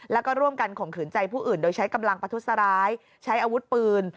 แล้วก็ร่วมกันข่มขืนใจผู้อื่นโดยใช้กำลังประทุษร้ายใช้อาวุธปืน